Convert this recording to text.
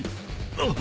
あっ。